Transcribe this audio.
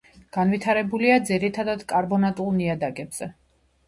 განვითარებულია ძირითადად კარბონატულ ნიადაგებზე.